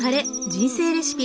人生レシピ」。